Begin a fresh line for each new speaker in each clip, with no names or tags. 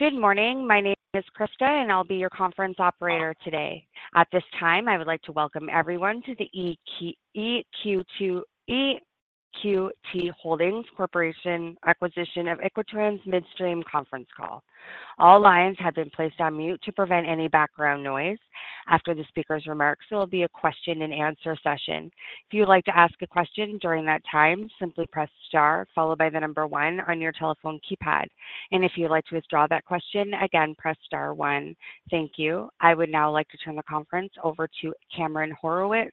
Good morning. My name is Krista, and I'll be your conference operator today. At this time, I would like to welcome everyone to the EQT Corporation acquisition of Equitrans Midstream Corporation conference call. All lines have been placed on mute to prevent any background noise. After the speaker's remarks, there will be a question-and-answer session. If you would like to ask a question during that time, simply press star followed by the number one on your telephone keypad. And if you would like to withdraw that question, again, press star one. Thank you. I would now like to turn the conference over to Cameron Horwitz,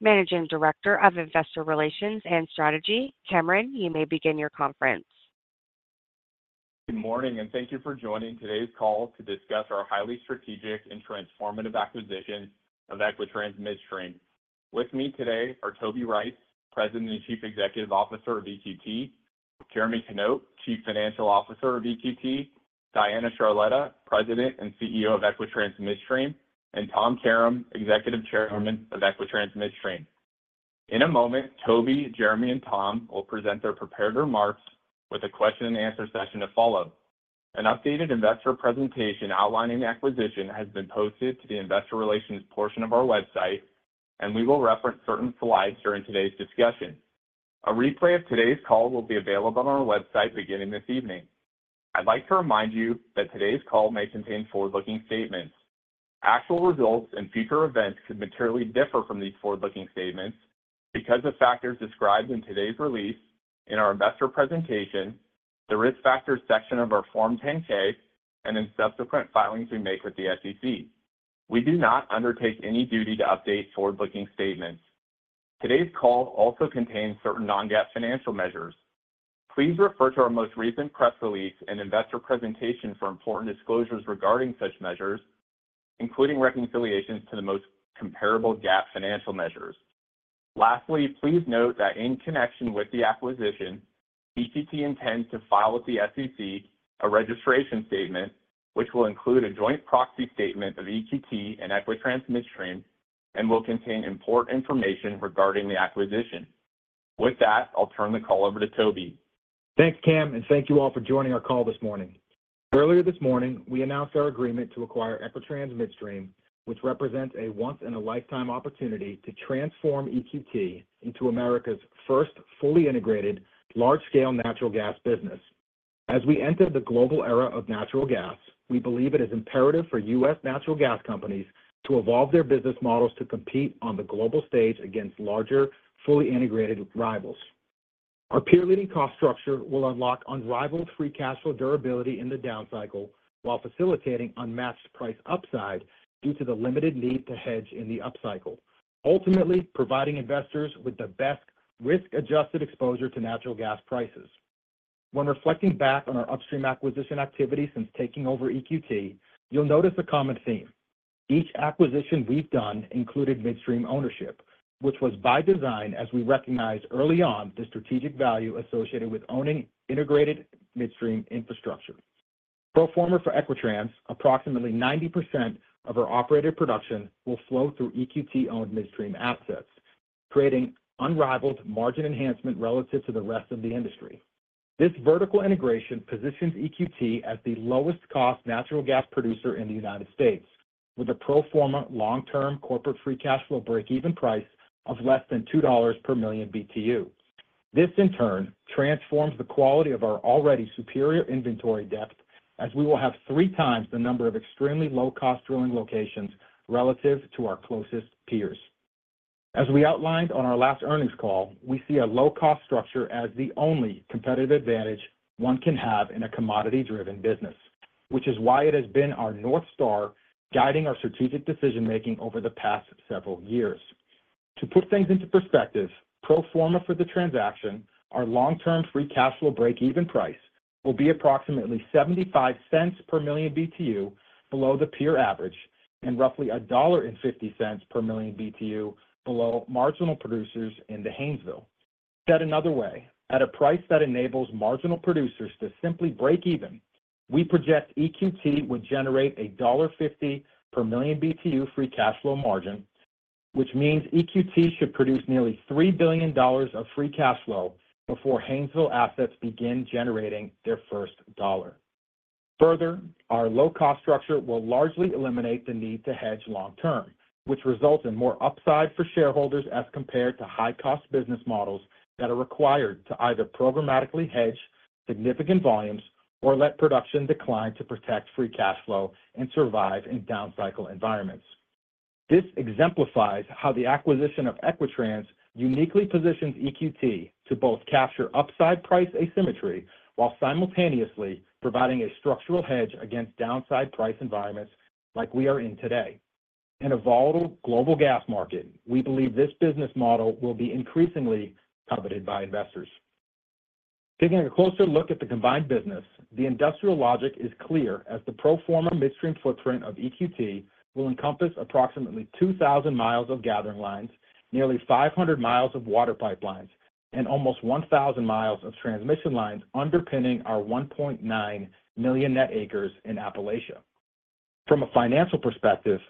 Managing Director of Investor Relations and Strategy. Cameron, you may begin your conference.
Good morning, and thank you for joining today's call to discuss our highly strategic and transformative acquisition of Equitrans Midstream. With me today are Toby Rice, President and Chief Executive Officer of EQT; Jeremy Knop, Chief Financial Officer of EQT; Diana Charletta, President and CEO of Equitrans Midstream; and Tom Karam, Executive Chairman of Equitrans Midstream. In a moment, Toby, Jeremy, and Tom will present their prepared remarks with a question-and-answer session to follow. An updated investor presentation outlining the acquisition has been posted to the Investor Relations portion of our website, and we will reference certain slides during today's discussion. A replay of today's call will be available on our website beginning this evening. I'd like to remind you that today's call may contain forward-looking statements. Actual results and future events could materially differ from these forward-looking statements because of factors described in today's release, in our investor presentation, the risk factors section of our Form 10-K, and in subsequent filings we make with the SEC. We do not undertake any duty to update forward-looking statements. Today's call also contains certain non-GAAP financial measures. Please refer to our most recent press release and investor presentation for important disclosures regarding such measures, including reconciliations to the most comparable GAAP financial measures. Lastly, please note that in connection with the acquisition, EQT intends to file with the SEC a registration statement, which will include a joint proxy statement of EQT and Equitrans Midstream and will contain important information regarding the acquisition. With that, I'll turn the call over to Toby.
Thanks, Cam, and thank you all for joining our call this morning. Earlier this morning, we announced our agreement to acquire Equitrans Midstream, which represents a once-in-a-lifetime opportunity to transform EQT into America's first fully integrated, large-scale natural gas business. As we enter the global era of natural gas, we believe it is imperative for U.S. natural gas companies to evolve their business models to compete on the global stage against larger, fully integrated rivals. Our peer-leading cost structure will unlock unrivaled free cash flow durability in the downcycle while facilitating unmatched price upside due to the limited need to hedge in the upcycle, ultimately providing investors with the best risk-adjusted exposure to natural gas prices. When reflecting back on our upstream acquisition activity since taking over EQT, you'll notice a common theme. Each acquisition we've done included midstream ownership, which was by design as we recognized early on the strategic value associated with owning integrated midstream infrastructure. Pro forma for Equitrans, approximately 90% of our operated production will flow through EQT-owned midstream assets, creating unrivaled margin enhancement relative to the rest of the industry. This vertical integration positions EQT as the lowest-cost natural gas producer in the United States, with a pro forma long-term corporate free cash flow breakeven price of less than $2 per million BTU. This, in turn, transforms the quality of our already superior inventory depth as we will have three times the number of extremely low-cost drilling locations relative to our closest peers. As we outlined on our last earnings call, we see a low-cost structure as the only competitive advantage one can have in a commodity-driven business, which is why it has been our North Star guiding our strategic decision-making over the past several years. To put things into perspective, pro forma for the transaction, our long-term free cash flow breakeven price will be approximately $0.75 per million BTU below the peer average and roughly $1.50 per million BTU below marginal producers in the Haynesville. Said another way, at a price that enables marginal producers to simply break even, we project EQT would generate a $1.50 per million BTU free cash flow margin, which means EQT should produce nearly $3 billion of free cash flow before Haynesville assets begin generating their first dollar. Further, our low-cost structure will largely eliminate the need to hedge long-term, which results in more upside for shareholders as compared to high-cost business models that are required to either programmatically hedge significant volumes or let production decline to protect free cash flow and survive in downcycle environments. This exemplifies how the acquisition of Equitrans uniquely positions EQT to both capture upside price asymmetry while simultaneously providing a structural hedge against downside price environments like we are in today. In a volatile global gas market, we believe this business model will be increasingly coveted by investors. Taking a closer look at the combined business, the industrial logic is clear as the pro forma midstream footprint of EQT will encompass approximately 2,000 mi of gathering lines, nearly 500 mi of water pipelines, and almost 1,000 mi of transmission lines underpinning our 1.9 million net acres in Appalachia. From a financial perspective,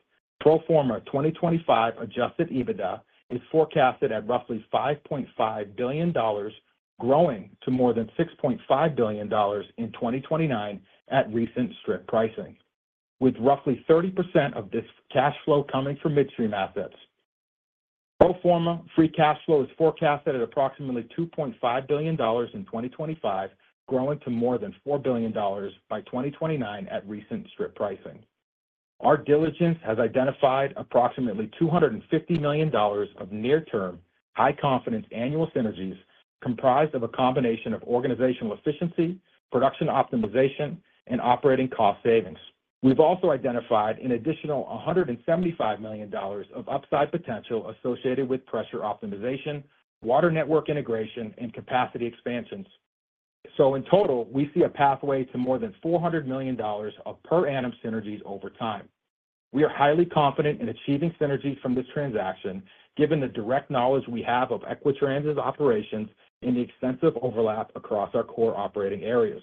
pro forma 2025 adjusted EBITDA is forecasted at roughly $5.5 billion, growing to more than $6.5 billion in 2029 at recent strip pricing, with roughly 30% of this cash flow coming from midstream assets. Pro forma free cash flow is forecasted at approximately $2.5 billion in 2025, growing to more than $4 billion by 2029 at recent strip pricing. Our diligence has identified approximately $250 million of near-term, high-confidence annual synergies comprised of a combination of organizational efficiency, production optimization, and operating cost savings. We've also identified an additional $175 million of upside potential associated with pressure optimization, water network integration, and capacity expansions. So in total, we see a pathway to more than $400 million of per annum synergies over time. We are highly confident in achieving synergies from this transaction, given the direct knowledge we have of Equitrans' operations and the extensive overlap across our core operating areas.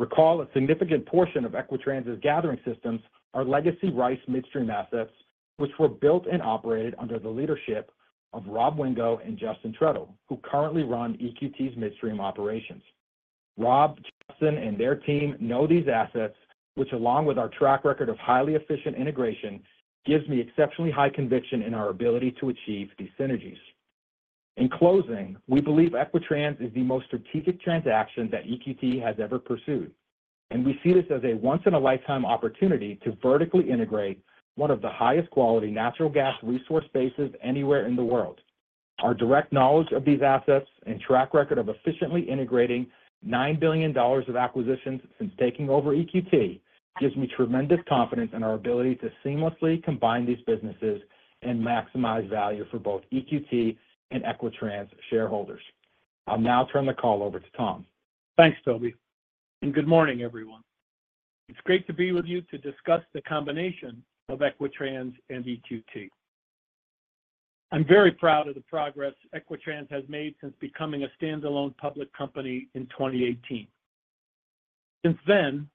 Recall a significant portion of Equitrans' gathering systems are legacy Rice Midstream assets, which were built and operated under the leadership of Rob Wingo and Justin Trettel, who currently run EQT's midstream operations. Rob, Justin, and their team know these assets, which along with our track record of highly efficient integration gives me exceptionally high conviction in our ability to achieve these synergies. In closing, we believe Equitrans is the most strategic transaction that EQT has ever pursued, and we see this as a once-in-a-lifetime opportunity to vertically integrate one of the highest-quality natural gas resource bases anywhere in the world. Our direct knowledge of these assets and track record of efficiently integrating $9 billion of acquisitions since taking over EQT gives me tremendous confidence in our ability to seamlessly combine these businesses and maximize value for both EQT and Equitrans shareholders. I'll now turn the call over to Tom.
Thanks, Toby, and good morning, everyone. It's great to be with you to discuss the combination of Equitrans and EQT. I'm very proud of the progress Equitrans has made since becoming a standalone public company in 2018. Since then,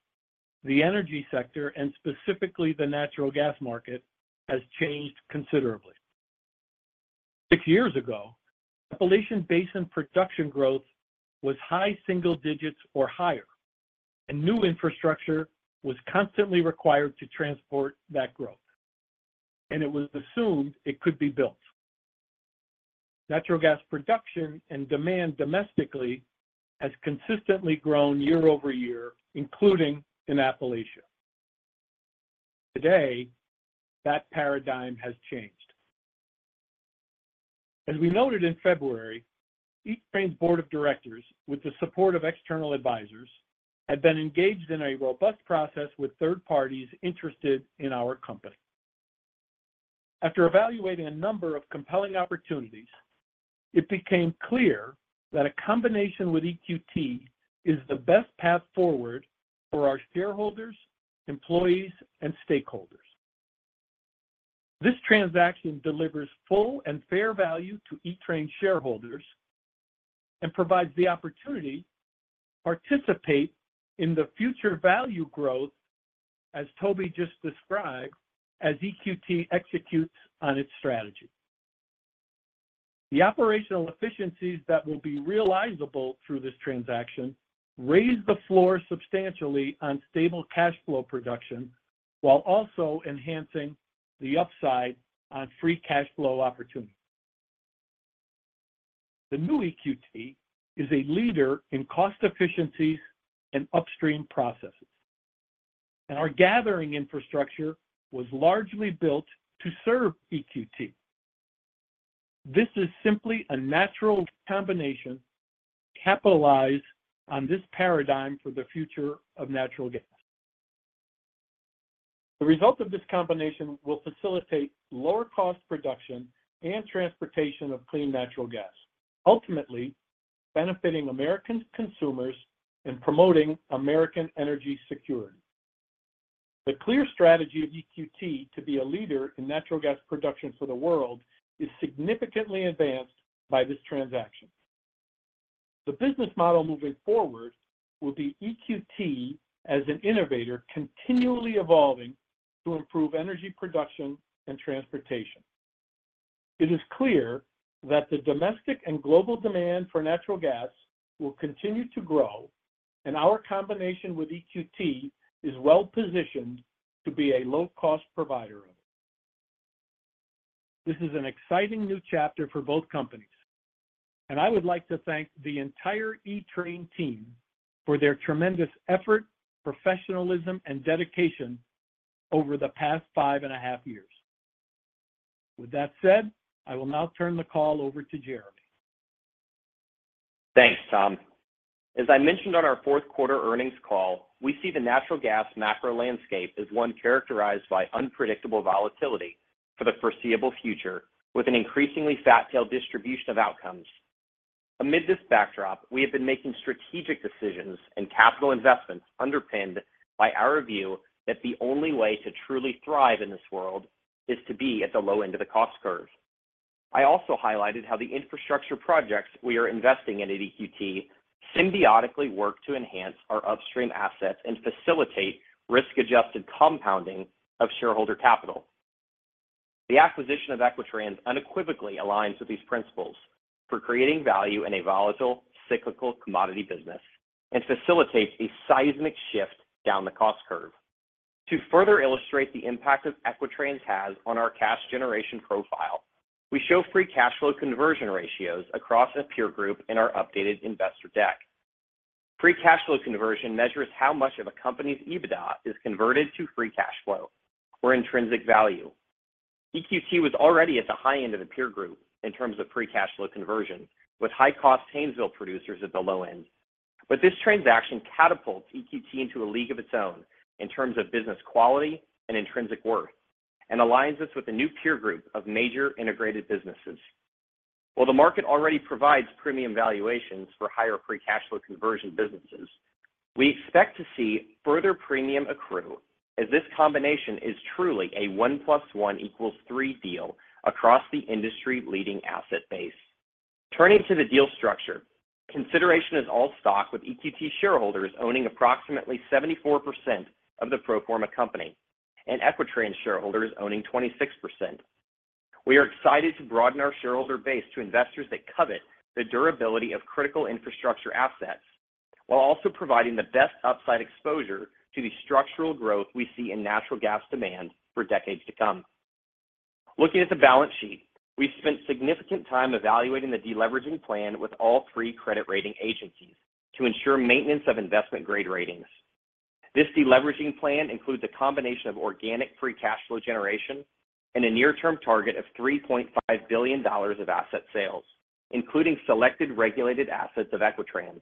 the energy sector, and specifically the natural gas market, has changed considerably. six years ago, Appalachian Basin production growth was high single-digits or higher, and new infrastructure was constantly required to transport that growth, and it was assumed it could be built. Natural gas production and demand domestically has consistently grown year-over-year, including in Appalachia. Today, that paradigm has changed. As we noted in February, EQT's board of directors, with the support of external advisors, had been engaged in a robust process with third parties interested in our company. After evaluating a number of compelling opportunities, it became clear that a combination with EQT is the best path forward for our shareholders, employees, and stakeholders. This transaction delivers full and fair value to EQT's shareholders and provides the opportunity to participate in the future value growth, as Toby just described, as EQT executes on its strategy. The operational efficiencies that will be realizable through this transaction raise the floor substantially on stable cash flow production while also enhancing the upside on free cash flow opportunities. The new EQT is a leader in cost efficiencies and upstream processes, and our gathering infrastructure was largely built to serve EQT. This is simply a natural combination to capitalize on this paradigm for the future of natural gas. The results of this combination will facilitate lower-cost production and transportation of clean natural gas, ultimately benefiting American consumers and promoting American energy security. The clear strategy of EQT to be a leader in natural gas production for the world is significantly advanced by this transaction. The business model moving forward will be EQT as an innovator continually evolving to improve energy production and transportation. It is clear that the domestic and global demand for natural gas will continue to grow, and our combination with EQT is well-positioned to be a low-cost provider of it. This is an exciting new chapter for both companies, and I would like to thank the entire EQT team for their tremendous effort, professionalism, and dedication over the past five and a half years. With that said, I will now turn the call over to Jeremy.
Thanks, Tom. As I mentioned on our fourth quarter earnings call, we see the natural gas macro landscape as one characterized by unpredictable volatility for the foreseeable future with an increasingly fat-tailed distribution of outcomes. Amid this backdrop, we have been making strategic decisions and capital investments underpinned by our view that the only way to truly thrive in this world is to be at the low end of the cost curve. I also highlighted how the infrastructure projects we are investing in at EQT symbiotically work to enhance our upstream assets and facilitate risk-adjusted compounding of shareholder capital. The acquisition of Equitrans unequivocally aligns with these principles for creating value in a volatile, cyclical commodity business and facilitates a seismic shift down the cost curve. To further illustrate the impact that Equitrans has on our cash generation profile, we show free cash flow conversion ratios across a peer group in our updated investor deck. Free cash flow conversion measures how much of a company's EBITDA is converted to free cash flow or intrinsic value. EQT was already at the high end of the peer group in terms of free cash flow conversion, with high-cost Haynesville producers at the low end. This transaction catapults EQT into a league of its own in terms of business quality and intrinsic worth and aligns us with a new peer group of major integrated businesses. While the market already provides premium valuations for higher free cash flow conversion businesses, we expect to see further premium accrue as this combination is truly a one plus one equals three deal across the industry-leading asset base. Turning to the deal structure, consideration is all stock with EQT shareholders owning approximately 74% of the pro forma company and Equitrans shareholders owning 26%. We are excited to broaden our shareholder base to investors that covet the durability of critical infrastructure assets while also providing the best upside exposure to the structural growth we see in natural gas demand for decades to come. Looking at the balance sheet, we spent significant time evaluating the deleveraging plan with all three credit rating agencies to ensure maintenance of investment-grade ratings. This deleveraging plan includes a combination of organic free cash flow generation and a near-term target of $3.5 billion of asset sales, including selected regulated assets of Equitrans,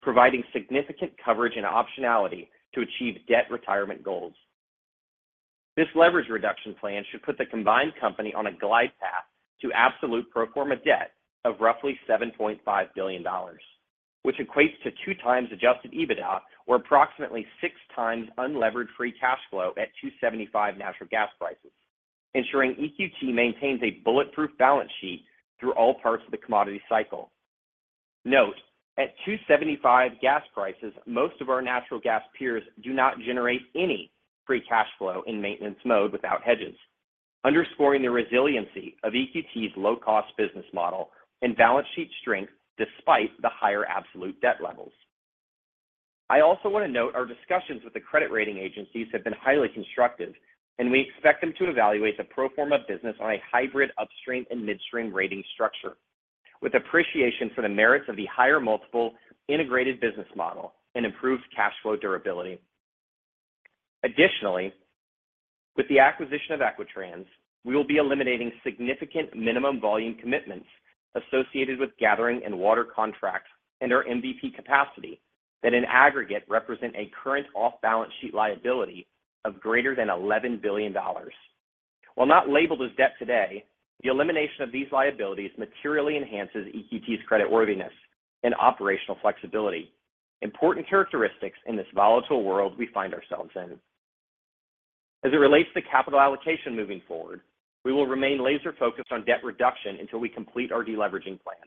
providing significant coverage and optionality to achieve debt retirement goals. This leverage reduction plan should put the combined company on a glide path to absolute pro forma debt of roughly $7.5 billion, which equates to 2x adjusted EBITDA or approximately 6x unleveraged free cash flow at $275 natural gas prices, ensuring EQT maintains a bulletproof balance sheet through all parts of the commodity cycle. Note, at $275 gas prices, most of our natural gas peers do not generate any free cash flow in maintenance mode without hedges, underscoring the resiliency of EQT's low-cost business model and balance sheet strength despite the higher absolute debt levels. I also want to note our discussions with the credit rating agencies have been highly constructive, and we expect them to evaluate the pro forma business on a hybrid upstream and midstream rating structure with appreciation for the merits of the higher multiple integrated business model and improved cash flow durability. Additionally, with the acquisition of Equitrans, we will be eliminating significant minimum volume commitments associated with gathering and water contracts and our MVP capacity that in aggregate represent a current off-balance sheet liability of greater than $11 billion. While not labeled as debt today, the elimination of these liabilities materially enhances EQT's creditworthiness and operational flexibility, important characteristics in this volatile world we find ourselves in. As it relates to capital allocation moving forward, we will remain laser-focused on debt reduction until we complete our deleveraging plan.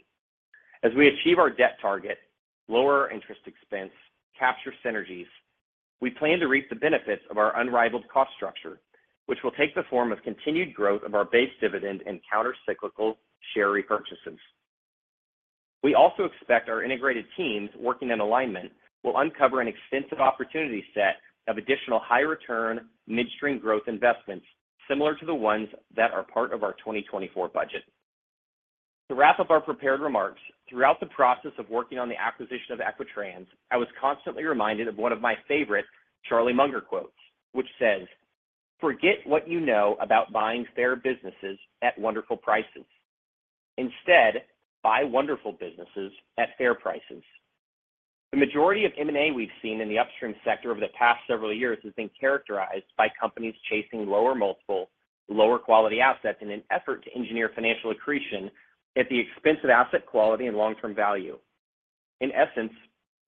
As we achieve our debt target, lower our interest expense, capture synergies, we plan to reap the benefits of our unrivaled cost structure, which will take the form of continued growth of our base dividend and countercyclical share repurchases. We also expect our integrated teams working in alignment will uncover an extensive opportunity set of additional high-return midstream growth investments similar to the ones that are part of our 2024 budget. To wrap up our prepared remarks, throughout the process of working on the acquisition of Equitrans, I was constantly reminded of one of my favorite Charlie Munger quotes, which says, "Forget what you know about buying fair businesses at wonderful prices. Instead, buy wonderful businesses at fair prices." The majority of M&A we've seen in the upstream sector over the past several years has been characterized by companies chasing lower multiple, lower-quality assets in an effort to engineer financial accretion at the expense of asset quality and long-term value. In essence,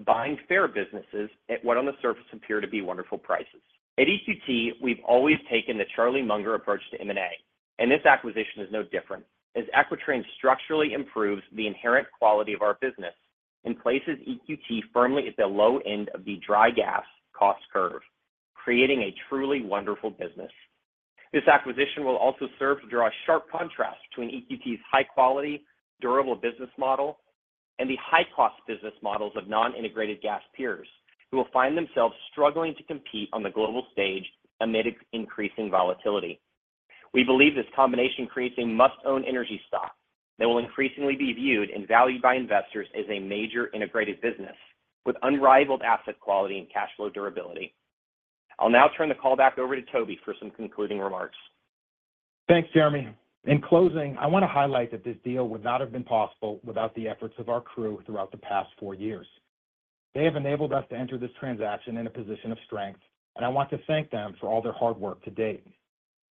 buying fair businesses at what on the surface appear to be wonderful prices. At EQT, we've always taken the Charlie Munger approach to M&A, and this acquisition is no different as Equitrans structurally improves the inherent quality of our business and places EQT firmly at the low end of the dry gas cost curve, creating a truly wonderful business. This acquisition will also serve to draw a sharp contrast between EQT's high-quality, durable business model and the high-cost business models of non-integrated gas peers who will find themselves struggling to compete on the global stage amid increasing volatility. We believe this combination creating must-own energy stock that will increasingly be viewed and valued by investors as a major integrated business with unrivaled asset quality and cash flow durability. I'll now turn the call back over to Toby for some concluding remarks.
Thanks, Jeremy. In closing, I want to highlight that this deal would not have been possible without the efforts of our crew throughout the past four years. They have enabled us to enter this transaction in a position of strength, and I want to thank them for all their hard work to date.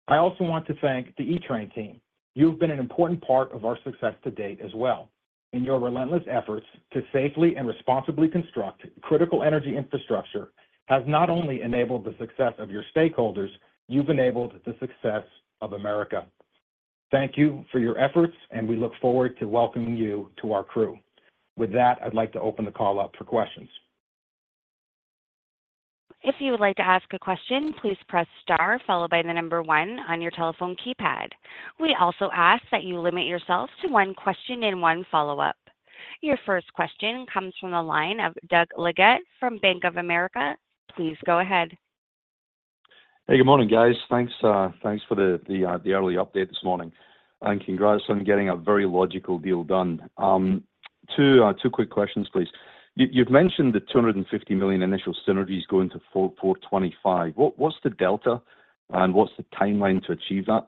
I also want to thank the EQT team. You've been an important part of our success to date as well. In your relentless efforts to safely and responsibly construct critical energy infrastructure has not only enabled the success of your stakeholders, you've enabled the success of America. Thank you for your efforts, and we look forward to welcoming you to our crew. With that, I'd like to open the call up for questions.
If you would like to ask a question, please press star followed by the number one on your telephone keypad. We also ask that you limit yourself to one question and one follow-up. Your first question comes from the line of Doug Leggate from Bank of America. Please go ahead.
Hey, good morning, guys. Thanks for the early update this morning, and congrats on getting a very logical deal done. Two quick questions, please. You've mentioned the $250 million initial synergies going to $425 million. What's the delta, and what's the timeline to achieve that?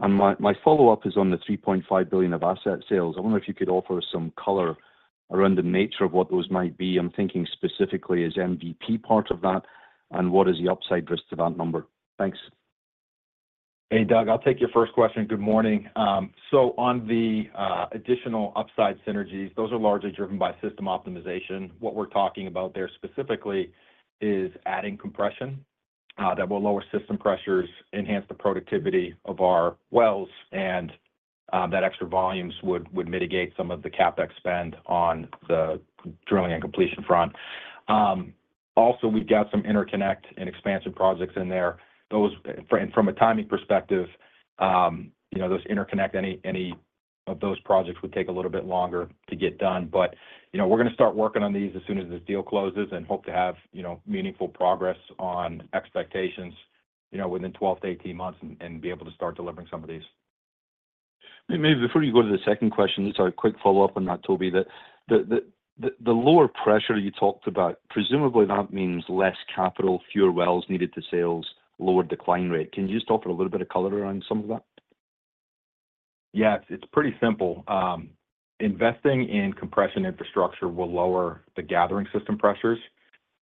And my follow-up is on the $3.5 billion of asset sales. I wonder if you could offer us some color around the nature of what those might be. I'm thinking specifically, is MVP part of that, and what is the upside risk to that number? Thanks.
Hey, Doug. I'll take your first question. Good morning. So on the additional upside synergies, those are largely driven by system optimization. What we're talking about there specifically is adding compression that will lower system pressures, enhance the productivity of our wells, and that extra volumes would mitigate some of the CapEx spend on the drilling and completion front. Also, we've got some interconnect and expansion projects in there. From a timing perspective, those interconnect, any of those projects would take a little bit longer to get done. But we're going to start working on these as soon as this deal closes and hope to have meaningful progress on expectations within 12-18 months and be able to start delivering some of these.
Maybe before you go to the second question, just a quick follow-up on that, Toby, that the lower pressure you talked about, presumably that means less capital, fewer wells needed to sales, lower decline rate. Can you just offer a little bit of color around some of that?
Yeah, it's pretty simple. Investing in compression infrastructure will lower the gathering system pressures,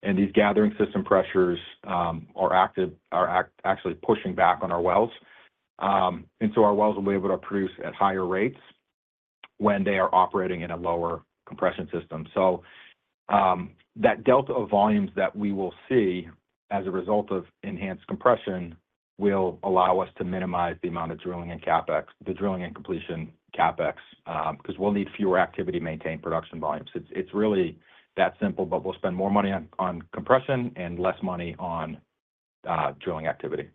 and these gathering system pressures are actually pushing back on our wells. And so our wells will be able to produce at higher rates when they are operating in a lower compression system. So that delta of volumes that we will see as a result of enhanced compression will allow us to minimize the amount of drilling and completion CapEx because we'll need fewer activity-maintained production volumes. It's really that simple, but we'll spend more money on compression and less money on drilling activity.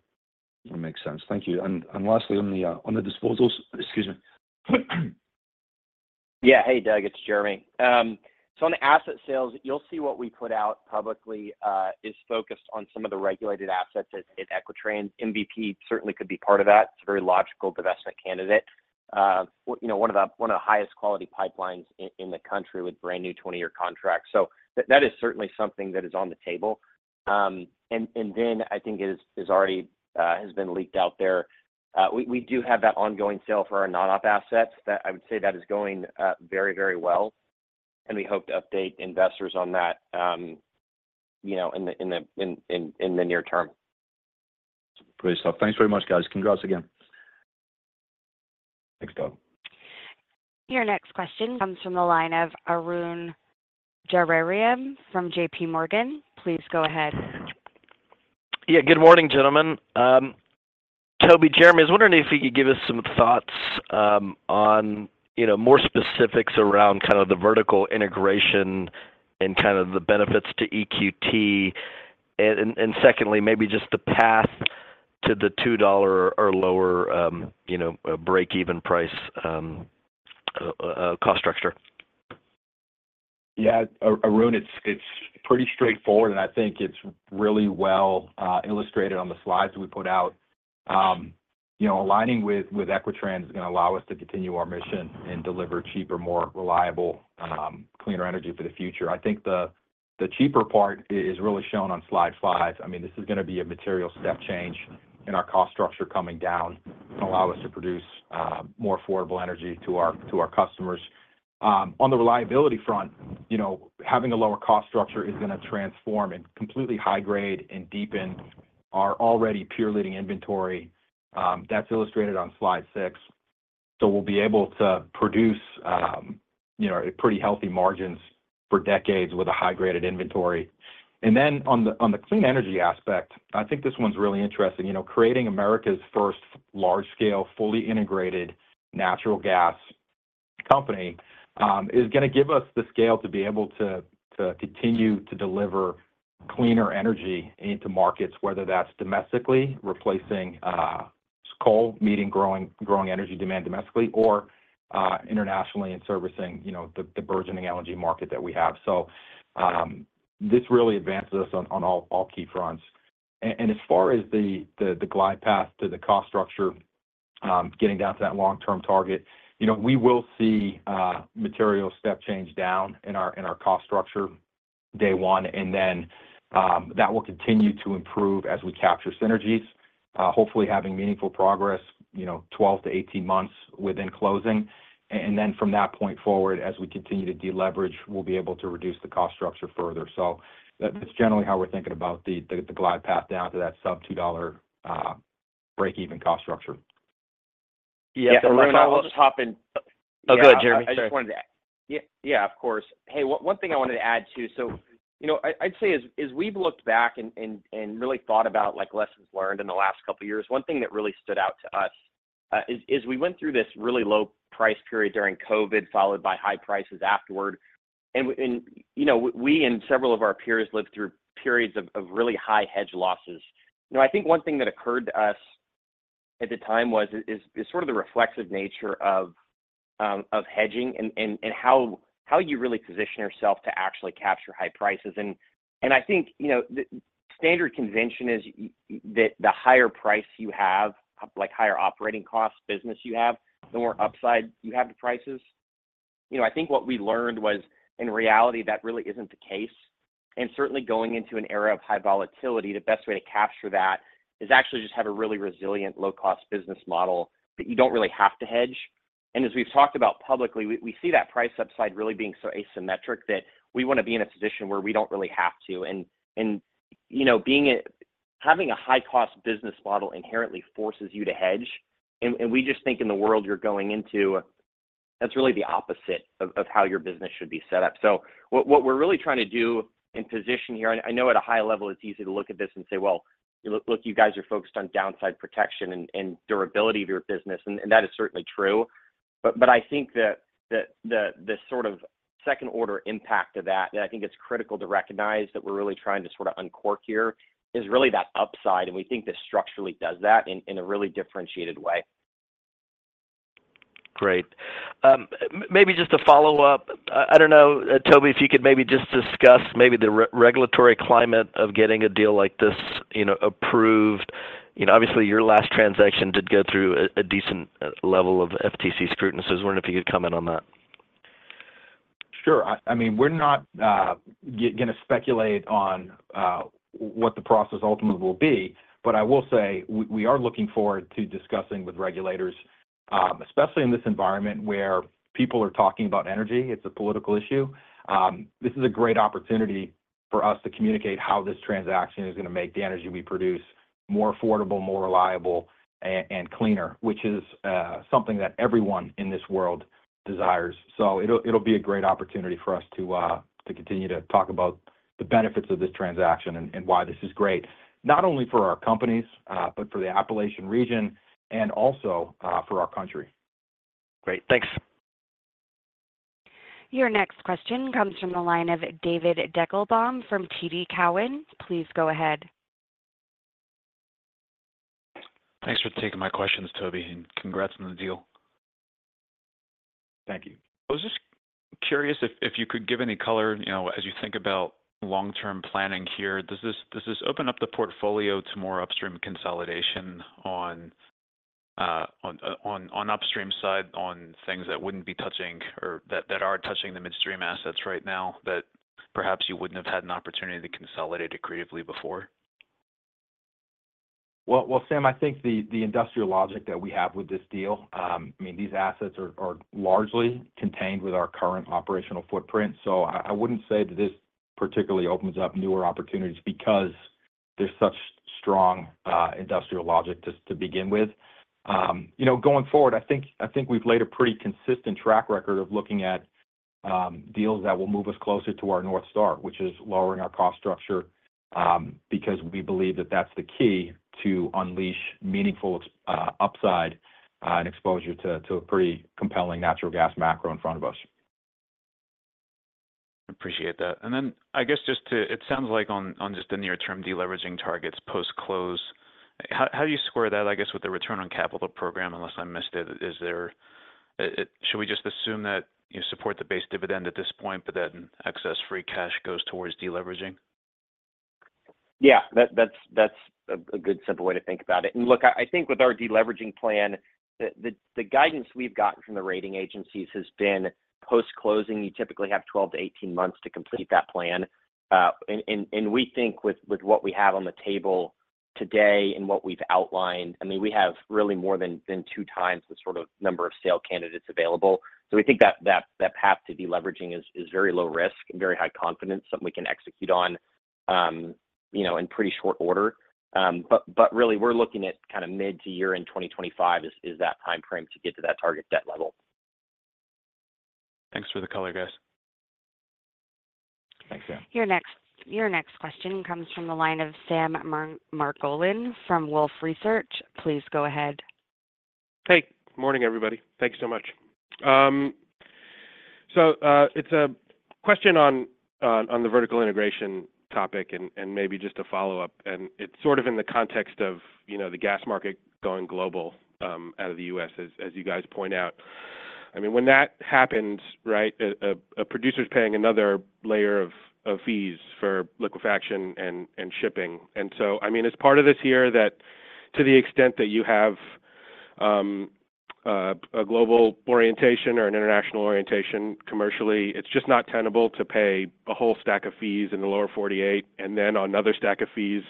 That makes sense. Thank you. And lastly, on the disposals, excuse me.
Yeah. Hey, Doug. It's Jeremy. So on the asset sales, you'll see what we put out publicly is focused on some of the regulated assets at Equitrans. MVP certainly could be part of that. It's a very logical investment candidate. One of the highest quality pipelines in the country with brand new 20-year contracts. So that is certainly something that is on the table. And then I think it has been leaked out there. We do have that ongoing sale for our non-op assets. I would say that is going very, very well, and we hope to update investors on that in the near term.
Brilliant, stop. Thanks very much, guys. Congrats again.
Thanks, Doug.
Your next question comes from the line of Arun Jayaram from JPMorgan. Please go ahead.
Yeah. Good morning, gentlemen. Toby, Jeremy, I was wondering if you could give us some thoughts on more specifics around kind of the vertical integration and kind of the benefits to EQT. And secondly, maybe just the path to the $2 or lower break-even price cost structure?
Yeah. Arun, it's pretty straightforward, and I think it's really well illustrated on the slides we put out. Aligning with Equitrans is going to allow us to continue our mission and deliver cheaper, more reliable, cleaner energy for the future. I think the cheaper part is really shown on slide five. I mean, this is going to be a material step change in our cost structure coming down to allow us to produce more affordable energy to our customers. On the reliability front, having a lower cost structure is going to transform and completely high-grade and deepen our already peer-leading inventory. That's illustrated on slide six. So we'll be able to produce pretty healthy margins for decades with a high-graded inventory. And then on the clean energy aspect, I think this one's really interesting. Creating America's first large-scale, fully integrated natural gas company is going to give us the scale to be able to continue to deliver cleaner energy into markets, whether that's domestically replacing coal, meeting growing energy demand domestically, or internationally and servicing the burgeoning energy market that we have. So this really advances us on all key fronts. And as far as the glide path to the cost structure, getting down to that long-term target, we will see material step change down in our cost structure day one, and then that will continue to improve as we capture synergies, hopefully having meaningful progress 12-18 months within closing. And then from that point forward, as we continue to deleverage, we'll be able to reduce the cost structure further. So that's generally how we're thinking about the glide path down to that sub-$2 break-even cost structure.
Yeah. Arun, I'll just hop in.
Oh, good, Jeremy. Sorry.
I just wanted to. Yeah, of course. Hey, one thing I wanted to add too. So I'd say as we've looked back and really thought about lessons learned in the last couple of years, one thing that really stood out to us is we went through this really low-price period during COVID followed by high prices afterward. We and several of our peers lived through periods of really high hedge losses. I think one thing that occurred to us at the time was sort of the reflexive nature of hedging and how you really position yourself to actually capture high prices. I think the standard convention is that the higher price you have, like higher operating costs business you have, the more upside you have to prices. I think what we learned was, in reality, that really isn't the case. And certainly, going into an era of high volatility, the best way to capture that is actually just have a really resilient, low-cost business model that you don't really have to hedge. And as we've talked about publicly, we see that price upside really being so asymmetric that we want to be in a position where we don't really have to. And having a high-cost business model inherently forces you to hedge. And we just think in the world you're going into, that's really the opposite of how your business should be set up. So what we're really trying to do and position here I know at a high level, it's easy to look at this and say, "Well, look, you guys are focused on downside protection and durability of your business." And that is certainly true. But I think that the sort of second-order impact of that, that I think it's critical to recognize that we're really trying to sort of uncork here, is really that upside. And we think this structurally does that in a really differentiated way.
Great. Maybe just a follow-up. I don't know, Toby, if you could maybe just discuss maybe the regulatory climate of getting a deal like this approved. Obviously, your last transaction did go through a decent level of FTC scrutiny. So I was wondering if you could comment on that.
Sure. I mean, we're not going to speculate on what the process ultimately will be. But I will say we are looking forward to discussing with regulators, especially in this environment where people are talking about energy. It's a political issue. This is a great opportunity for us to communicate how this transaction is going to make the energy we produce more affordable, more reliable, and cleaner, which is something that everyone in this world desires. So it'll be a great opportunity for us to continue to talk about the benefits of this transaction and why this is great, not only for our companies, but for the Appalachian region and also for our country.
Great. Thanks.
Your next question comes from the line of David Deckelbaum from TD Cowen. Please go ahead.
Thanks for taking my questions, Toby, and congrats on the deal.
Thank you.
I was just curious if you could give any color as you think about long-term planning here. Does this open up the portfolio to more upstream consolidation on upstream side on things that wouldn't be touching or that are touching the midstream assets right now that perhaps you wouldn't have had an opportunity to consolidate it creatively before?
Well, Sam, I think the industrial logic that we have with this deal, I mean, these assets are largely contained with our current operational footprint. So I wouldn't say that this particularly opens up newer opportunities because there's such strong industrial logic to begin with. Going forward, I think we've laid a pretty consistent track record of looking at deals that will move us closer to our North Star, which is lowering our cost structure because we believe that that's the key to unleash meaningful upside and exposure to a pretty compelling natural gas macro in front of us.
Appreciate that. Then I guess just to it sounds like on just the near-term deleveraging targets post-close. How do you square that, I guess, with the return on capital program, unless I missed it? Should we just assume that you support the base dividend at this point, but then excess free cash goes towards deleveraging?
Yeah. That's a good, simple way to think about it. And look, I think with our deleveraging plan, the guidance we've gotten from the rating agencies has been post-closing, you typically have 12-18 months to complete that plan. And we think with what we have on the table today and what we've outlined I mean, we have really more than two times the sort of number of sale candidates available. So we think that path to deleveraging is very low risk, very high confidence, something we can execute on in pretty short order. But really, we're looking at kind of mid- to year-end 2025, that timeframe to get to that target debt level.
Thanks for the color, guys.
Thanks, Sam.
Your next question comes from the line of Sam Margolin from Wolfe Research. Please go ahead.
Hey. Good morning, everybody. Thanks so much. So it's a question on the vertical integration topic and maybe just a follow-up. And it's sort of in the context of the gas market going global out of the U.S., as you guys point out. I mean, when that happens, right, a producer's paying another layer of fees for liquefaction and shipping. And so I mean, it's part of this here that to the extent that you have a global orientation or an international orientation commercially, it's just not tenable to pay a whole stack of fees in the lower 48 and then on another stack of fees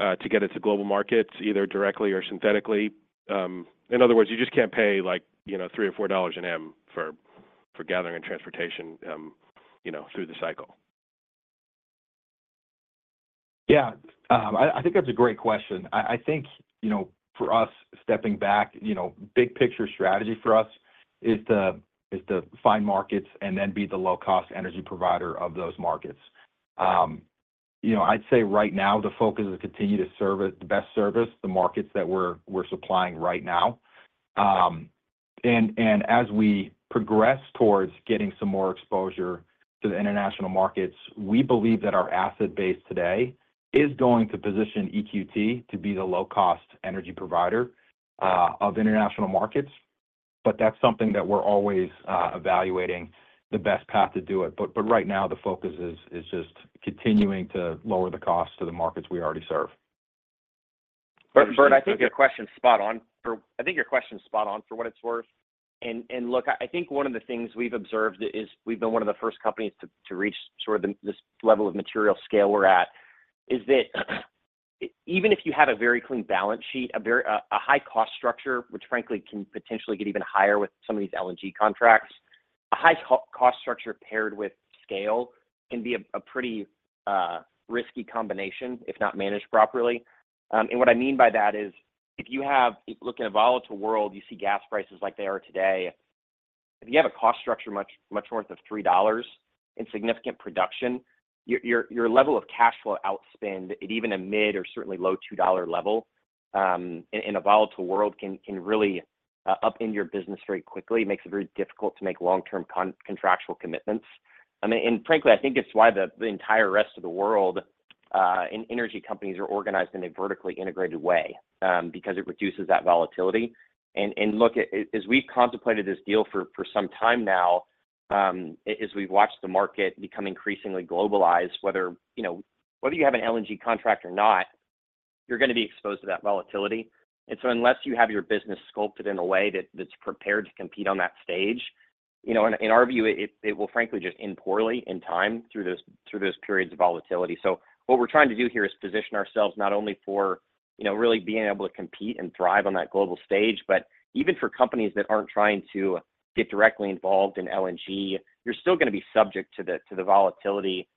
to get it to global markets either directly or synthetically. In other words, you just can't pay like $3 or $4 an M for gathering and transportation through the cycle.
Yeah. I think that's a great question. I think for us, stepping back, big-picture strategy for us is to find markets and then be the low-cost energy provider of those markets. I'd say right now, the focus is to continue to serve the best service, the markets that we're supplying right now. And as we progress towards getting some more exposure to the international markets, we believe that our asset base today is going to position EQT to be the low-cost energy provider of international markets. But that's something that we're always evaluating the best path to do it. But right now, the focus is just continuing to lower the cost to the markets we already serve.
Bert, I think your question's spot on. I think your question's spot on for what it's worth. And look, I think one of the things we've observed is we've been one of the first companies to reach sort of this level of material scale we're at is that even if you have a very clean balance sheet, a high-cost structure, which frankly can potentially get even higher with some of these LNG contracts, a high-cost structure paired with scale can be a pretty risky combination, if not managed properly. And what I mean by that is if you look in a volatile world, you see gas prices like they are today. If you have a cost structure much north of $3 in significant production, your level of cash flow outspend, even a mid or certainly low $2 level in a volatile world, can really upend your business very quickly. It makes it very difficult to make long-term contractual commitments. I mean, and frankly, I think it's why the entire rest of the world and energy companies are organized in a vertically integrated way because it reduces that volatility. And look, as we've contemplated this deal for some time now, as we've watched the market become increasingly globalized, whether you have an LNG contract or not, you're going to be exposed to that volatility. And so unless you have your business sculpted in a way that's prepared to compete on that stage, in our view, it will frankly just end poorly in time through those periods of volatility. So what we're trying to do here is position ourselves not only for really being able to compete and thrive on that global stage, but even for companies that aren't trying to get directly involved in LNG, you're still going to be subject to the volatility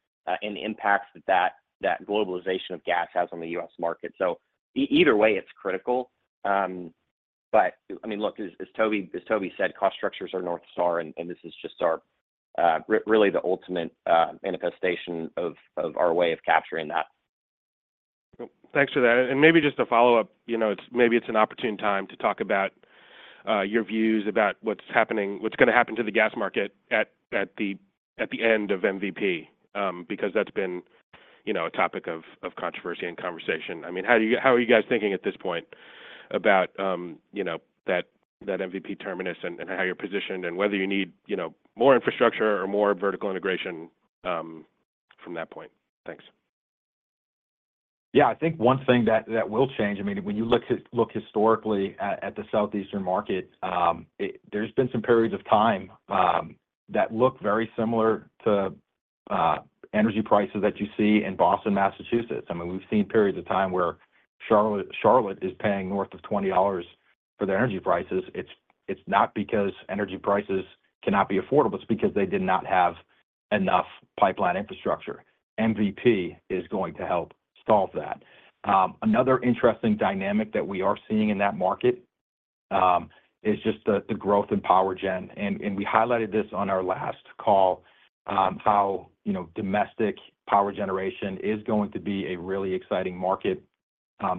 and impacts that that globalization of gas has on the U.S. market. So either way, it's critical. But I mean, look, as Toby said, cost structures are North Star, and this is just really the ultimate manifestation of our way of capturing that.
Thanks for that. Maybe just a follow-up. Maybe it's an opportune time to talk about your views about what's going to happen to the gas market at the end of MVP because that's been a topic of controversy and conversation. I mean, how are you guys thinking at this point about that MVP terminus and how you're positioned and whether you need more infrastructure or more vertical integration from that point? Thanks.
Yeah. I think one thing that will change. I mean, when you look historically at the southeastern market, there's been some periods of time that look very similar to energy prices that you see in Boston, Massachusetts. I mean, we've seen periods of time where Charlotte is paying north of $20 for their energy prices. It's not because energy prices cannot be affordable. It's because they did not have enough pipeline infrastructure. MVP is going to help solve that. Another interesting dynamic that we are seeing in that market is just the growth in power gen. And we highlighted this on our last call, how domestic power generation is going to be a really exciting market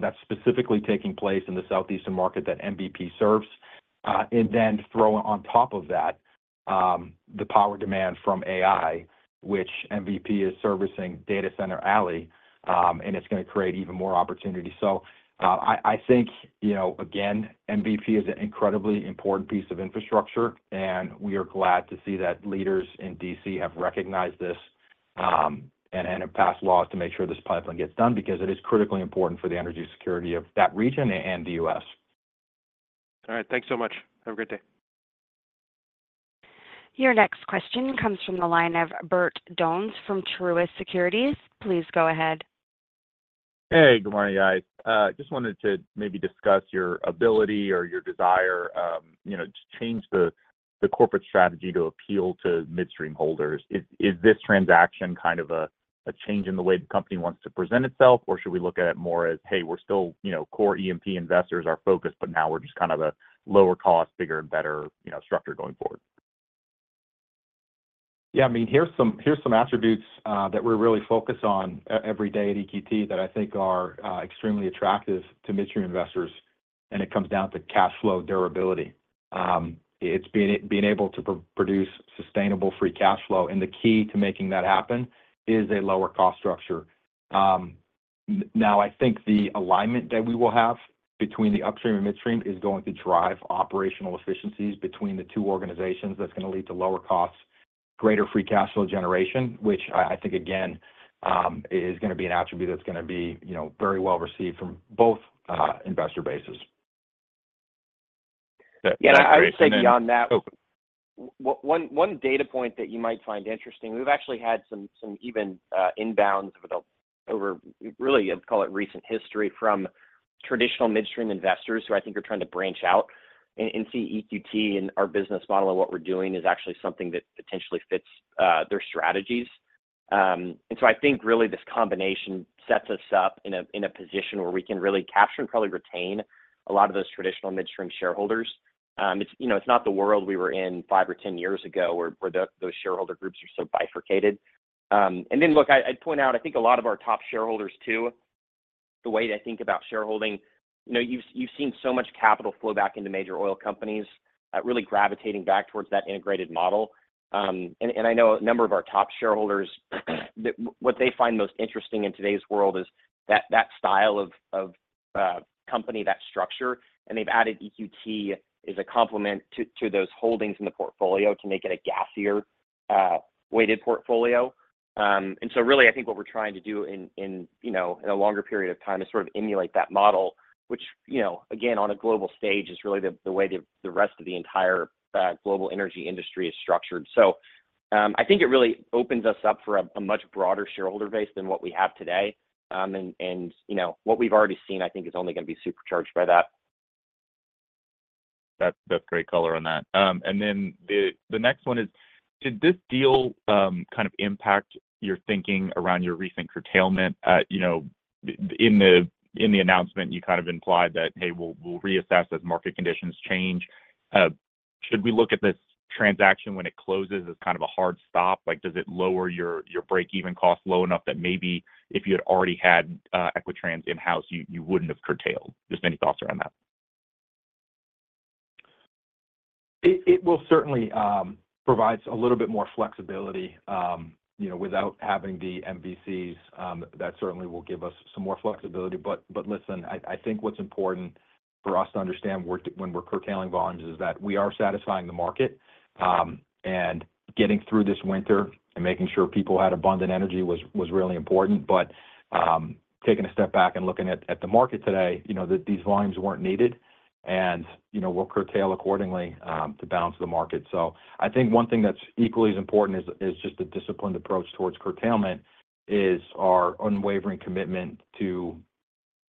that's specifically taking place in the southeastern market that MVP serves. And then throw on top of that the power demand from AI, which MVP is servicing Data Center Alley, and it's going to create even more opportunities. So I think, again, MVP is an incredibly important piece of infrastructure. We are glad to see that leaders in D.C. have recognized this and have passed laws to make sure this pipeline gets done because it is critically important for the energy security of that region and the U.S.
All right. Thanks so much. Have a great day.
Your next question comes from the line of Bert Donnes from Truist Securities. Please go ahead.
Hey. Good morning, guys. Just wanted to maybe discuss your ability or your desire to change the corporate strategy to appeal to midstream holders. Is this transaction kind of a change in the way the company wants to present itself, or should we look at it more as, "Hey, we're still core E&P investors, our focus, but now we're just kind of a lower-cost, bigger, and better structure going forward"?
Yeah. I mean, here's some attributes that we're really focused on every day at EQT that I think are extremely attractive to midstream investors. It comes down to cash flow durability. It's being able to produce sustainable free cash flow. The key to making that happen is a lower-cost structure. Now, I think the alignment that we will have between the upstream and midstream is going to drive operational efficiencies between the two organizations. That's going to lead to lower costs, greater free cash flow generation, which I think, again, is going to be an attribute that's going to be very well received from both investor bases.
Yeah. I would say beyond that, one data point that you might find interesting: we've actually had some even inbounds over, really, I'd call it recent history from traditional midstream investors who I think are trying to branch out and see EQT and our business model and what we're doing is actually something that potentially fits their strategies. So I think really this combination sets us up in a position where we can really capture and probably retain a lot of those traditional midstream shareholders. It's not the world we were in five or 10 years ago where those shareholder groups are so bifurcated. Then look, I'd point out I think a lot of our top shareholders too, the way they think about shareholding: you've seen so much capital flow back into major oil companies really gravitating back towards that integrated model. And I know a number of our top shareholders, what they find most interesting in today's world is that style of company, that structure. And they've added EQT as a complement to those holdings in the portfolio to make it a gassier weighted portfolio. And so really, I think what we're trying to do in a longer period of time is sort of emulate that model, which, again, on a global stage is really the way the rest of the entire global energy industry is structured. So I think it really opens us up for a much broader shareholder base than what we have today. And what we've already seen, I think, is only going to be supercharged by that.
That's great color on that. Then the next one is, did this deal kind of impact your thinking around your recent curtailment? In the announcement, you kind of implied that, "Hey, we'll reassess as market conditions change." Should we look at this transaction when it closes as kind of a hard stop? Does it lower your break-even costs low enough that maybe if you had already had Equitrans in-house, you wouldn't have curtailed? Just any thoughts around that.
It will certainly provide a little bit more flexibility without having the MVCs. That certainly will give us some more flexibility. But listen, I think what's important for us to understand when we're curtailing volumes is that we are satisfying the market. Getting through this winter and making sure people had abundant energy was really important. But taking a step back and looking at the market today, these volumes weren't needed. We'll curtail accordingly to balance the market. So I think one thing that's equally as important as just a disciplined approach towards curtailment is our unwavering commitment to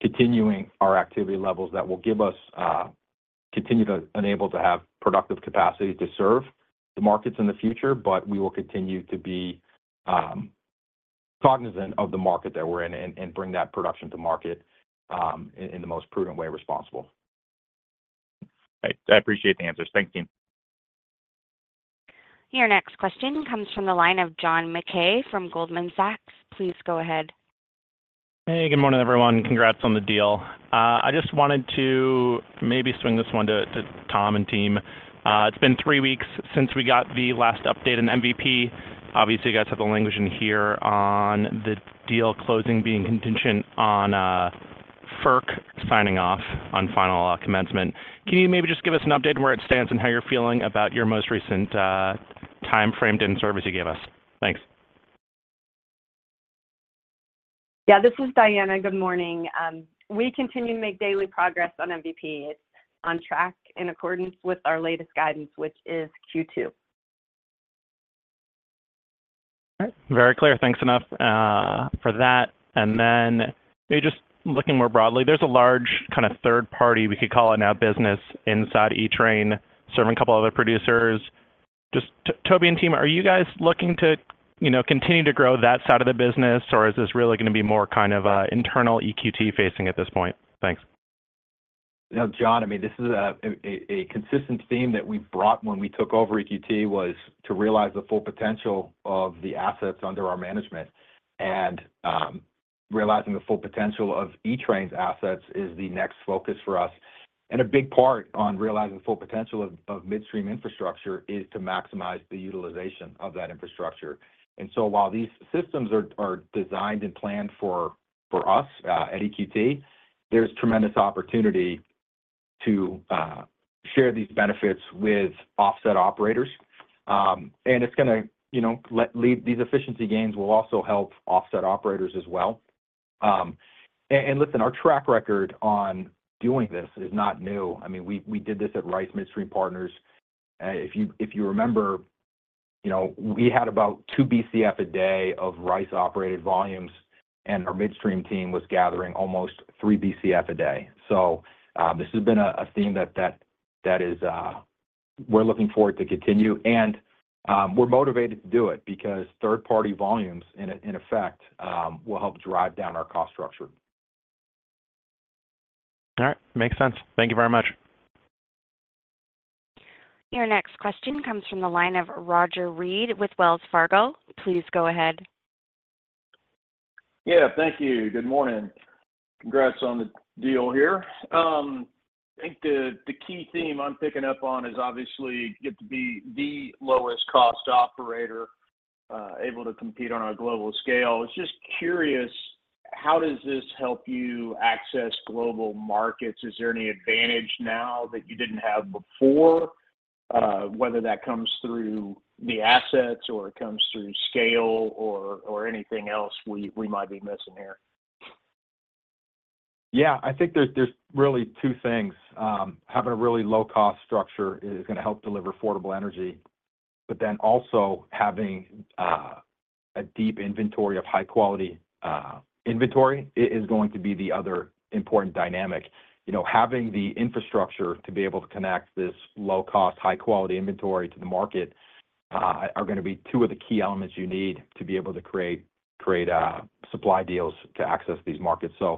continuing our activity levels that will give us continue to enable to have productive capacity to serve the markets in the future. But we will continue to be cognizant of the market that we're in and bring that production to market in the most prudent, responsible way.
All right. I appreciate the answers. Thanks, team.
Your next question comes from the line of John Mackay from Goldman Sachs. Please go ahead.
Hey. Good morning, everyone. Congrats on the deal. I just wanted to maybe swing this one to Tom and team. It's been three weeks since we got the last update on MVP. Obviously, you guys have the language in here on the deal closing being contingent on FERC signing off on final commencement. Can you maybe just give us an update on where it stands and how you're feeling about your most recent time frame in service you gave us? Thanks.
Yeah. This is Diana. Good morning. We continue to make daily progress on MVP. It's on track in accordance with our latest guidance, which is Q2.
All right. Very clear. Thanks enough for that. And then maybe just looking more broadly, there's a large kind of third party, we could call it now, business inside E-Train serving a couple other producers. Just Toby and team, are you guys looking to continue to grow that side of the business, or is this really going to be more kind of internal EQT facing at this point? Thanks.
Now, John, I mean, this is a consistent theme that we brought when we took over EQT was to realize the full potential of the assets under our management. Realizing the full potential of E-Train's assets is the next focus for us. A big part on realizing the full potential of midstream infrastructure is to maximize the utilization of that infrastructure. So while these systems are designed and planned for us at EQT, there's tremendous opportunity to share these benefits with offset operators. It's going to lead. These efficiency gains will also help offset operators as well. Listen, our track record on doing this is not new. I mean, we did this at Rice Midstream Partners. If you remember, we had about two Bcf a day of Rice-operated volumes, and our midstream team was gathering almost three Bcf a day So this has been a theme that we're looking forward to continue. And we're motivated to do it because third-party volumes, in effect, will help drive down our cost structure.
All right. Makes sense. Thank you very much.
Your next question comes from the line of Roger Read with Wells Fargo. Please go ahead.
Yeah. Thank you. Good morning. Congrats on the deal here. I think the key theme I'm picking up on is obviously get to be the lowest-cost operator able to compete on a global scale. I was just curious, how does this help you access global markets? Is there any advantage now that you didn't have before, whether that comes through the assets or it comes through scale or anything else we might be missing here?
Yeah. I think there's really two things. Having a really low-cost structure is going to help deliver affordable energy. But then also having a deep inventory of high-quality inventory is going to be the other important dynamic. Having the infrastructure to be able to connect this low-cost, high-quality inventory to the market are going to be two of the key elements you need to be able to create supply deals to access these markets. So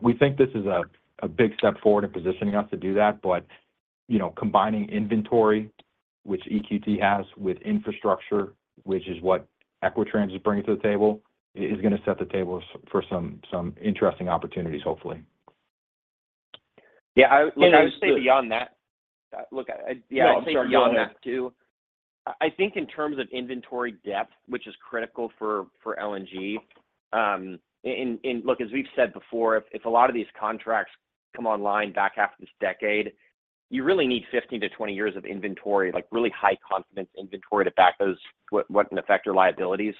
we think this is a big step forward in positioning us to do that. But combining inventory, which EQT has, with infrastructure, which is what Equitrans is bringing to the table, is going to set the table for some interesting opportunities, hopefully.
Yeah. Look, I would say beyond that look, yeah, I'd say beyond that too, I think in terms of inventory depth, which is critical for LNG and look, as we've said before, if a lot of these contracts come online back after this decade, you really need 15 years-20 years of inventory, really high-confidence inventory to back those what in effect are liabilities.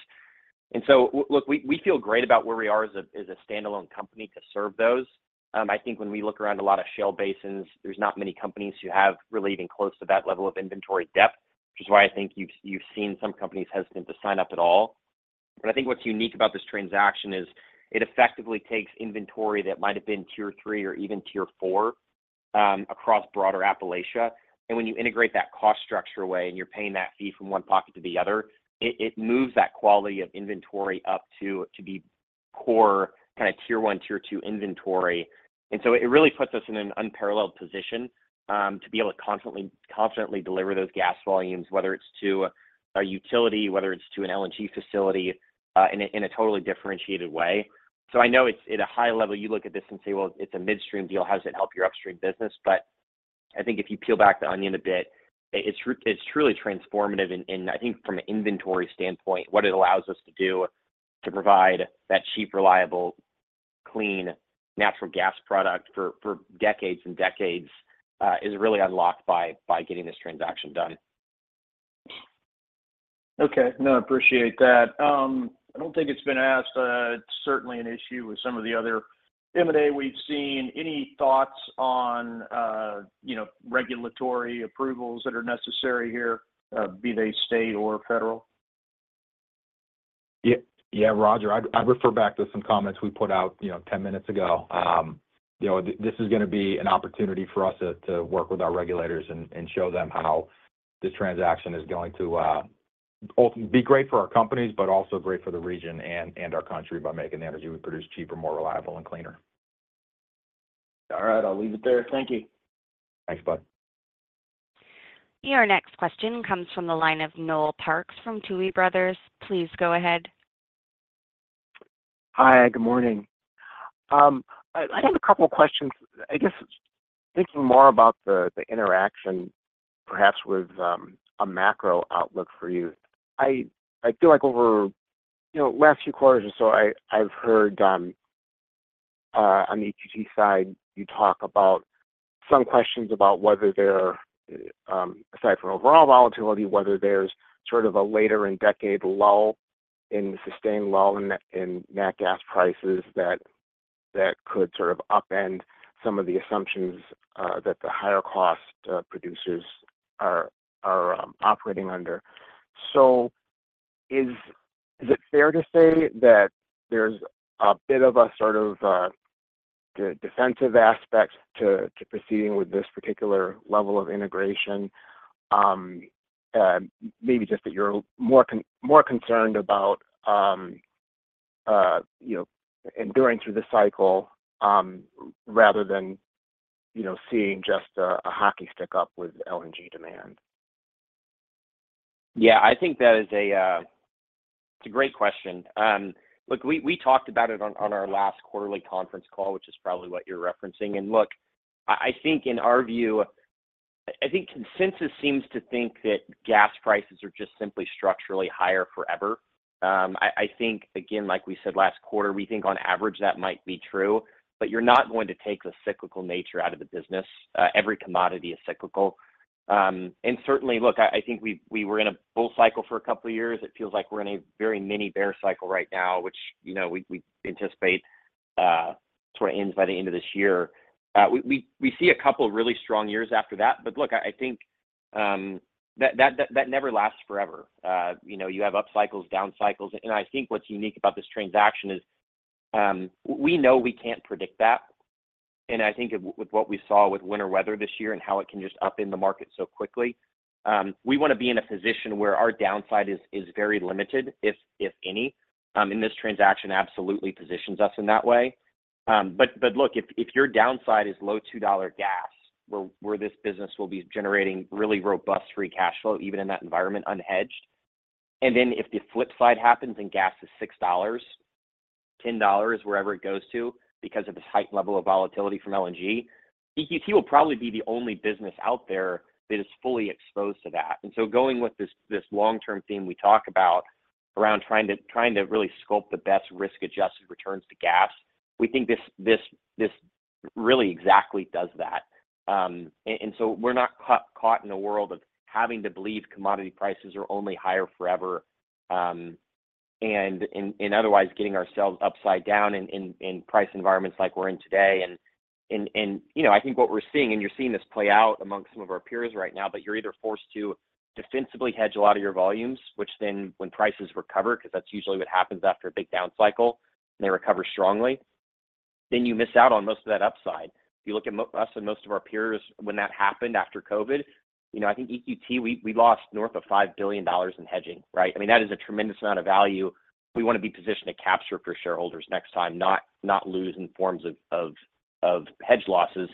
And so look, we feel great about where we are as a standalone company to serve those. I think when we look around a lot of shale basins, there's not many companies who have really even close to that level of inventory depth, which is why I think you've seen some companies hesitant to sign up at all. But I think what's unique about this transaction is it effectively takes inventory that might have been Tier 3 or even Tier 4 across broader Appalachia. When you integrate that cost structure away and you're paying that fee from one pocket to the other, it moves that quality of inventory up to be core kind of Tier 1, Tier 2 inventory. So it really puts us in an unparalleled position to be able to confidently deliver those gas volumes, whether it's to a utility, whether it's to an LNG facility, in a totally differentiated way. So I know at a high level, you look at this and say, "Well, it's a midstream deal. How does it help your upstream business?" But I think if you peel back the onion a bit, it's truly transformative. I think from an inventory standpoint, what it allows us to do to provide that cheap, reliable, clean, natural gas product for decades and decades is really unlocked by getting this transaction done.
Okay. No, I appreciate that. I don't think it's been asked. It's certainly an issue with some of the other M&A we've seen. Any thoughts on regulatory approvals that are necessary here, be they state or federal?
Yeah. Roger, I'd refer back to some comments we put out 10 minutes ago. This is going to be an opportunity for us to work with our regulators and show them how this transaction is going to be great for our companies, but also great for the region and our country by making the energy we produce cheaper, more reliable, and cleaner.
All right. I'll leave it there. Thank you.
Thanks. Bye.
Your next question comes from the line of Noel Parks from Tuohy Brothers. Please go ahead.
Hi. Good morning. I have a couple of questions. I guess thinking more about the interaction, perhaps with a macro outlook for you, I feel like over the last few quarters or so, I've heard on the EQT side, you talk about some questions about whether there's aside from overall volatility, whether there's sort of a later-in-decade low and sustained low in natural gas prices that could sort of upend some of the assumptions that the higher-cost producers are operating under. So is it fair to say that there's a bit of a sort of defensive aspect to proceeding with this particular level of integration? Maybe just that you're more concerned about enduring through the cycle rather than seeing just a hockey stick up with LNG demand?
Yeah. I think that is, it's a great question. Look, we talked about it on our last quarterly conference call, which is probably what you're referencing. And look, I think in our view, I think consensus seems to think that gas prices are just simply structurally higher forever. I think, again, like we said last quarter, we think on average that might be true. But you're not going to take the cyclical nature out of the business. Every commodity is cyclical. And certainly, look, I think we were in a bull cycle for a couple of years. It feels like we're in a very mini bear cycle right now, which we anticipate sort of ends by the end of this year. We see a couple of really strong years after that. But look, I think that never lasts forever. You have upcycles, downcycles. I think what's unique about this transaction is we know we can't predict that. I think with what we saw with winter weather this year and how it can just upend the market so quickly, we want to be in a position where our downside is very limited, if any. This transaction absolutely positions us in that way. But look, if your downside is low $2 gas, where this business will be generating really robust free cash flow, even in that environment unhedged, and then if the flip side happens and gas is $6-$10, wherever it goes to because of this heightened level of volatility from LNG, EQT will probably be the only business out there that is fully exposed to that. And so going with this long-term theme we talk about around trying to really sculpt the best risk-adjusted returns to gas, we think this really exactly does that. And so we're not caught in a world of having to believe commodity prices are only higher forever and otherwise getting ourselves upside down in price environments like we're in today. And I think what we're seeing and you're seeing this play out among some of our peers right now, but you're either forced to defensively hedge a lot of your volumes, which then when prices recover because that's usually what happens after a big downcycle and they recover strongly, then you miss out on most of that upside. If you look at us and most of our peers when that happened after COVID, I think EQT, we lost north of $5 billion in hedging, right? I mean, that is a tremendous amount of value. We want to be positioned to capture for shareholders next time, not lose in forms of hedge losses.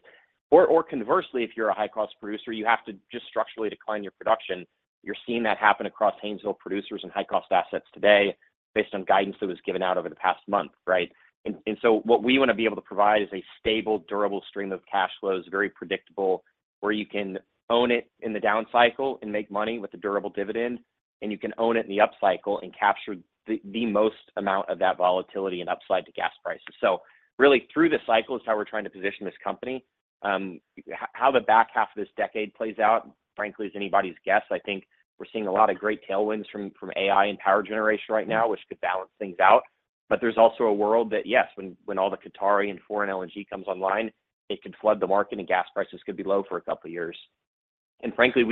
Or conversely, if you're a high-cost producer, you have to just structurally decline your production. You're seeing that happen across Haynesville producers and high-cost assets today based on guidance that was given out over the past month, right? And so what we want to be able to provide is a stable, durable stream of cash flows, very predictable, where you can own it in the downcycle and make money with a durable dividend, and you can own it in the upcycle and capture the most amount of that volatility and upside to gas prices. So really, through the cycle is how we're trying to position this company. How the back half of this decade plays out, frankly, is anybody's guess. I think we're seeing a lot of great tailwinds from AI and power generation right now, which could balance things out. But there's also a world that, yes, when all the Qatari and foreign LNG comes online, it could flood the market and gas prices could be low for a couple of years. And frankly,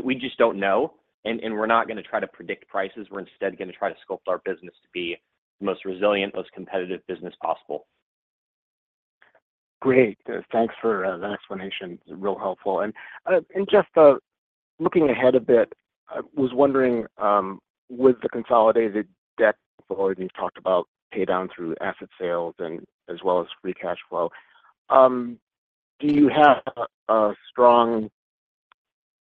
we just don't know. And we're not going to try to predict prices. We're instead going to try to sculpt our business to be the most resilient, most competitive business possible.
Great. Thanks for that explanation. It's real helpful. Just looking ahead a bit, I was wondering, with the consolidated debt. Before you talked about paydown through asset sales as well as free cash flow. Do you have a strong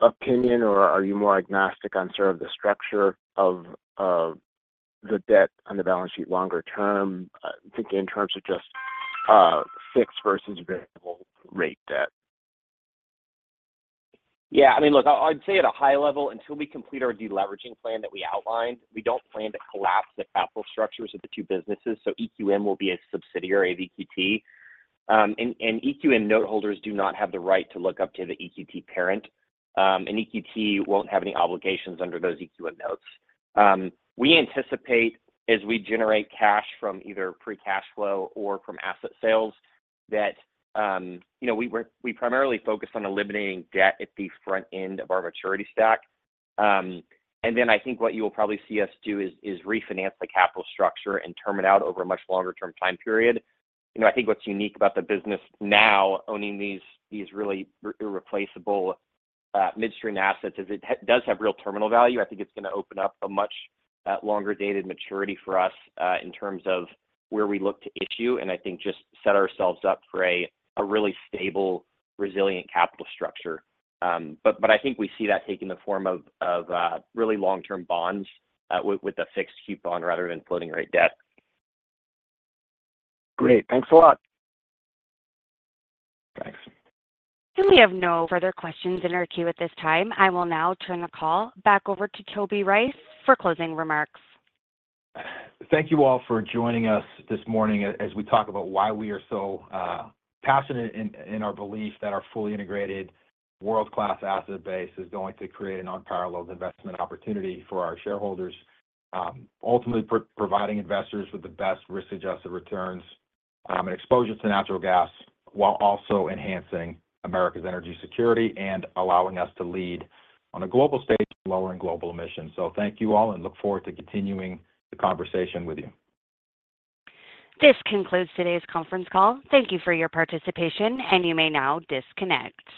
opinion, or are you more agnostic on sort of the structure of the debt on the balance sheet longer term, thinking in terms of just fixed versus variable rate debt?
Yeah. I mean, look, I'd say at a high level, until we complete our deleveraging plan that we outlined, we don't plan to collapse the capital structures of the two businesses. So EQM will be a subsidiary, EQT. And EQM noteholders do not have the right to look up to the EQT parent. And EQT won't have any obligations under those EQM notes. We anticipate, as we generate cash from either free cash flow or from asset sales, that we primarily focus on eliminating debt at the front end of our maturity stack. And then I think what you will probably see us do is refinance the capital structure and term it out over a much longer-term time period. I think what's unique about the business now owning these really irreplaceable midstream assets is it does have real terminal value. I think it's going to open up a much longer-dated maturity for us in terms of where we look to issue and I think just set ourselves up for a really stable, resilient capital structure. But I think we see that taking the form of really long-term bonds with a fixed coupon rather than floating rate debt.
Great. Thanks a lot.
Thanks.
We have no further questions in our queue at this time. I will now turn the call back over to Toby Rice for closing remarks.
Thank you all for joining us this morning as we talk about why we are so passionate in our belief that our fully integrated, world-class asset base is going to create an unparalleled investment opportunity for our shareholders, ultimately providing investors with the best risk-adjusted returns and exposure to natural gas while also enhancing America's energy security and allowing us to lead on a global stage in lowering global emissions. Thank you all, and look forward to continuing the conversation with you.
This concludes today's conference call. Thank you for your participation, and you may now disconnect.